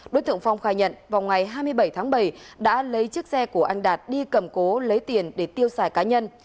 đối tượng phong khai nhận vào ngày hai mươi bảy tháng bảy đã lấy chiếc xe của anh đạt đi cầm cố lấy tiền để tiêu xài cá nhân